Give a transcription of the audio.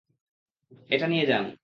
এটা নিয়ে যান!